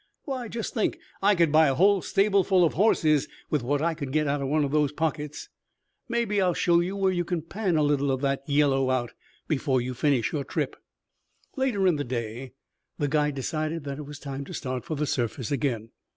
"Why, just think, I could buy a whole stable full of horses with what I could get out of one of those pockets." "Maybe I'll show you where you can pan a little of the yellow out, before you finish your trip." Later in the day the guide decided that it was time to start for the surface again.